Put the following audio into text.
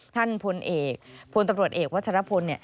ท่านพลตำรวจเอกวัชรพล